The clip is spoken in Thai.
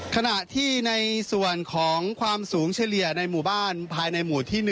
ขณะที่ในส่วนของความสูงเฉลี่ยในหมู่บ้านภายในหมู่ที่๑